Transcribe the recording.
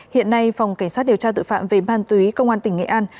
hiện nay phòng cảnh sát điều tra tội phạm về ma túy công an tỉnh nghệ an